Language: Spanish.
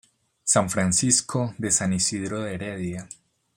San Francisco de San Isidro de Heredia.